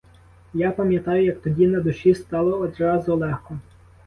Я пам'ятаю, як тоді на душі стало одразу легко.